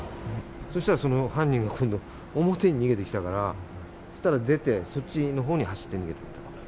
そしたら、その犯人が今度、表に逃げてきたから、したら、出て、そっちのほうに走って逃げていった。